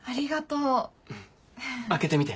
うん開けてみて。